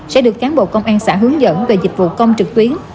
sẽ được cán bộ công an xã hướng dẫn về dịch vụ công trực tuyến